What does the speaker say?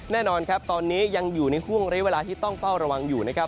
แน่นอนครับตอนนี้ยังอยู่ในห่วงเรียกเวลาที่ต้องเฝ้าระวังอยู่นะครับ